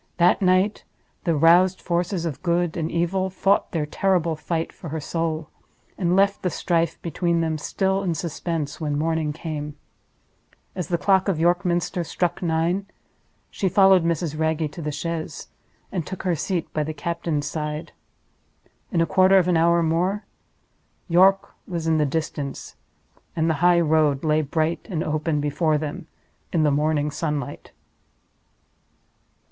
That night the roused forces of Good and Evil fought their terrible fight for her soul—and left the strife between them still in suspense when morning came. As the clock of York Minster struck nine, she followed Mrs. Wragge to the chaise, and took her seat by the captain's side. In a quarter of an hour more York was in the distance, and the highroad lay bright and open before them in the morning sunlight.